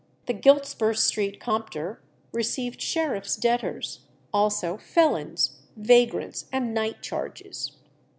The Giltspur Street Compter received sheriffs' debtors, also felons, vagrants, and night charges.